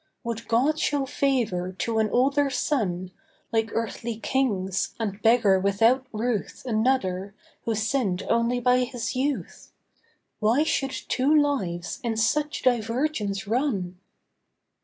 Would God show favour to an older son Like earthly kings, and beggar without ruth Another, who sinned only by his youth? Why should two lives in such divergence run?